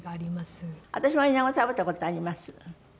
私もイナゴ食べた事あります。